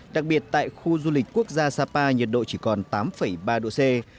đặc biệt tại khu du lịch quốc gia sapa nhiệt độ chỉ còn tám ba độ c